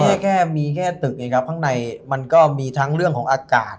แค่มีแค่ตึกไงครับข้างในมันก็มีทั้งเรื่องของอากาศ